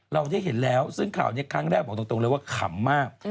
เราได้เห็นแล้วซึ่งข่าวนี้ครั้งแรกบอกตรงเลยว่าขำมาก